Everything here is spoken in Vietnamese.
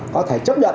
có thể chấp nhận